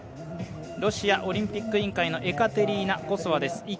ロシアオリンピック委員会のエカテリーナ・コソワです。